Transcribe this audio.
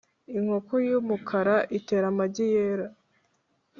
inkoko y'umukara itera amagi yera.